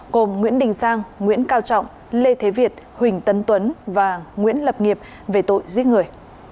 gồm nguyễn đình sang nguyễn cao trọng lê thế việt huỳnh tấn tuấn và nguyễn lập nghiệp về tội giết người